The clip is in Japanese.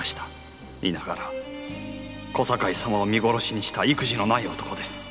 いながら小堺様を見殺しにした意気地のない男です